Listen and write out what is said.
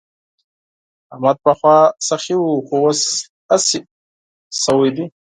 احمد پخوا سخي وو خو اوس اسي شوی دی.